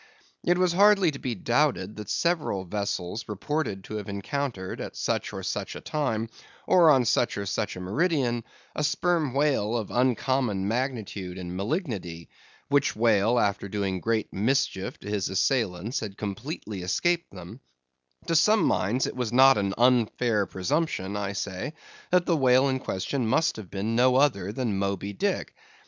It was hardly to be doubted, that several vessels reported to have encountered, at such or such a time, or on such or such a meridian, a Sperm Whale of uncommon magnitude and malignity, which whale, after doing great mischief to his assailants, had completely escaped them; to some minds it was not an unfair presumption, I say, that the whale in question must have been no other than Moby Dick.